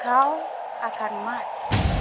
kau akan mati